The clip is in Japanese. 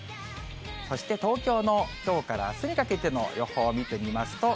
そして東京の、きょうからあすにかけての予報を見てみますと。